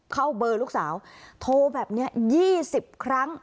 เข้าเบอร์ลูกสาวโทรแบบเนี้ยยี่สิบครั้ง